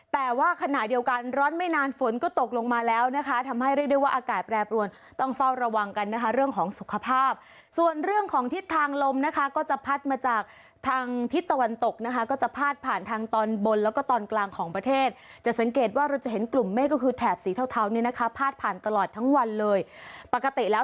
แต่ว่าขณะเดียวกันร้อนไม่นานฝนก็ตกลงมาแล้วนะคะทำให้เรียกได้ว่าอากาศแปรปรวนต้องเฝ้าระวังกันนะคะเรื่องของสุขภาพส่วนเรื่องของทิศทางลมนะคะก็จะพัดมาจากทางทิศตะวันตกนะคะก็จะพาดผ่านทางตอนบนแล้วก็ตอนกลางของประเทศจะสังเกตว่าเราจะเห็นกลุ่มเมฆก็คือแถบสีเทาเทาเนี่ยนะคะพาดผ่านตลอดทั้งวันเลยปกติแล้ว